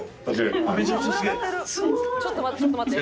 「ちょっと待ってちょっと待って。